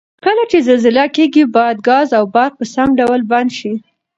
کله چې زلزله کیږي باید ګاز او برق په سم ډول بند شي؟